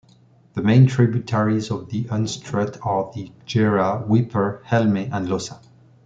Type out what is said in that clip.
The main tributaries of the Unstrut are the Gera, Wipper, Helme, and Lossa.